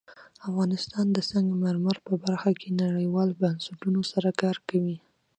افغانستان د سنگ مرمر په برخه کې نړیوالو بنسټونو سره کار کوي.